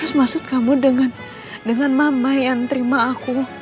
terus maksud kamu dengan mama yang terima aku